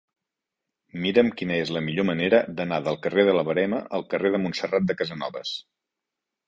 Mira'm quina és la millor manera d'anar del carrer de la Verema al carrer de Montserrat de Casanovas.